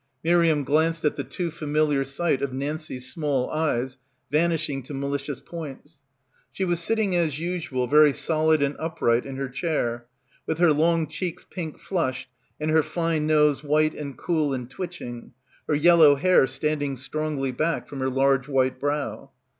Miriam glanced at the too familiar sight of Nancie's small eyes vanishing to malicious points. She was sitting as usual very solid and upright in her chair, with her long cheeks pink flushed and her fine nose white and cool and twitching, her yellow hair standing strongly back from her large white brow.